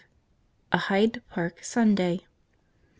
A Hyde Park Sunday.